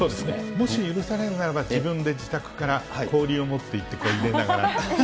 もし許されるならば、自分で自宅から氷を持っていって、入れながら。